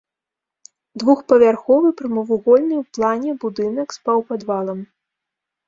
Двухпавярховы прамавугольны ў плане будынак з паўпадвалам.